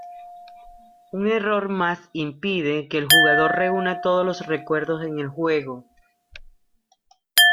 Un error más impide que el jugador reúna todos los recuerdos en el juego.